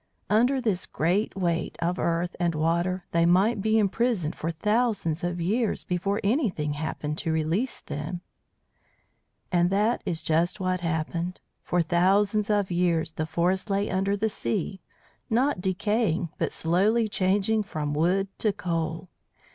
Under this great weight of earth and water they might be imprisoned for thousands of years before anything happened to release them. And that is just what happened. For thousands of years the forest lay under the sea, not decaying, but slowly changing from wood to coal.